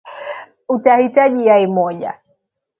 utahitaji yai moja